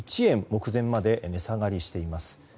目前まで値下がりしています。